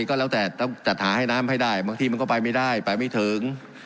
ก็แล้วแต่ต้องจัดหาให้น้ำให้ได้บางทีมันก็ไปไม่ได้ไปไม่ถึง